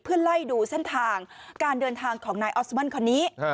เพื่อไล่ดูเส้นทางการเดินทางของนายออสมันคนนี้